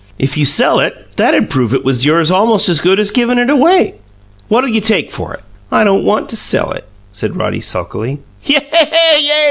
"If you sell it, that'd prove it was yours almost as good as givin' it away. What'll you take for it?" "I don't want to sell it," said Roddy sulkily. "Yay!